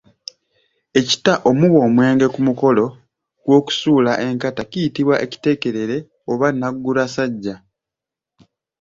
Ekita omuba omwenge ku mukolo gw’okusuula enkata kiyitibwa ekitekerere oba naggulasajja.